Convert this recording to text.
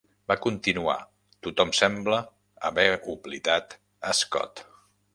Va continuar, tothom sembla haver oblidat a Scott.